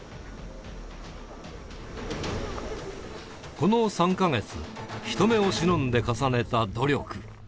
この３か月、人目を忍んで重ねた努力。